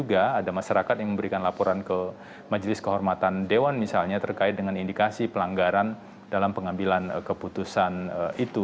dan laporan juga ada masyarakat yang memberikan laporan ke majelis kehormatan dewan misalnya terkait dengan indikasi pelanggaran dalam pengambilan keputusan itu